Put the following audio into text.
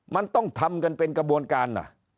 มันต้องทำกันเป็นกระบวนการ